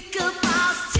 aku tak mau